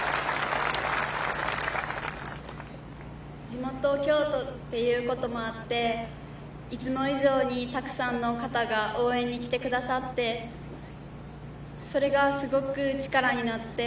地元京都ということもあって、いつも以上にたくさんの方が応援に来てくださって、それがすごく力になって、